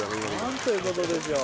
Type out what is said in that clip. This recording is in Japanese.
「何ということでしょう」